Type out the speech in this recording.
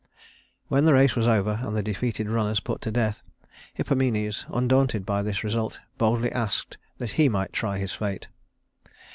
When the race was over, and the defeated runners put to death, Hippomenes, undaunted by this result, boldly asked that he might try his fate.